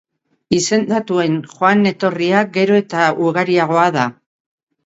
Izendatuen joan-etorria gero eta ugariagoa da.